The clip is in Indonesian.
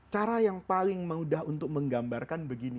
cara yang paling mudah untuk menggambarkan begini